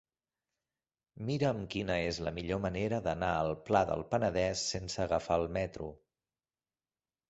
Mira'm quina és la millor manera d'anar al Pla del Penedès sense agafar el metro.